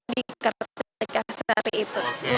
dikertikan sari itu